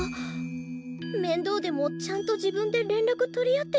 面倒でもちゃんと自分で連絡取り合っていればよかった。